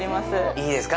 いいですか？